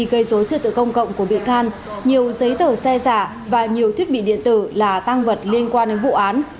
gây dối trật tự công cộng của bị can nhiều giấy tờ xe giả và nhiều thiết bị điện tử là tăng vật liên quan đến vụ án